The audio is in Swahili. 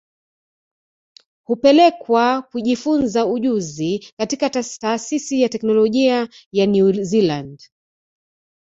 Hupelekwa kujifunza ujuzi katika Taasisi ya Teknolojia ya New Zealand